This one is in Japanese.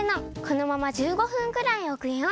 このまま１５ふんくらいおくよ。